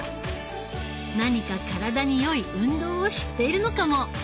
何か体に良い運動を知っているのかも！